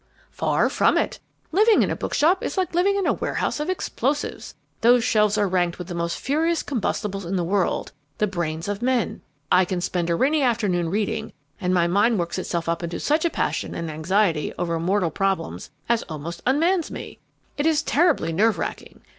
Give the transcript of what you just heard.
"Far from it. Living in a bookshop is like living in a warehouse of explosives. Those shelves are ranked with the most furious combustibles in the world the brains of men. I can spend a rainy afternoon reading, and my mind works itself up to such a passion and anxiety over mortal problems as almost unmans me. It is terribly nerve racking.